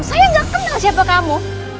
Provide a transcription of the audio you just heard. saya nggak kenal siapa kamu